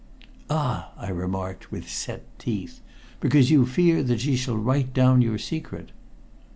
"Ah!" I remarked with set teeth. "Because you fear lest she shall write down your secret."